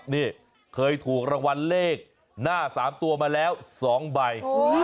นี่เคยถูกรางวัลเลขหน้า๓ตัวมาแล้ว๒ใบ